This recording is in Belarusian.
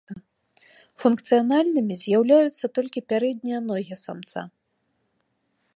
Функцыянальнымі з'яўляюцца толькі пярэднія ногі самца.